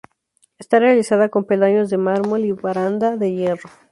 Está realizada con peldaños de mármol y baranda de hierro.